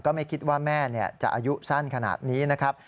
ไม่คิดว่าแม่จะอายุสั้นขนาดนี้นะครับ